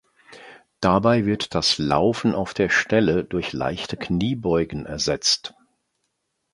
Dabei wird das Laufen auf der Stelle durch leichte Kniebeugen ersetzt.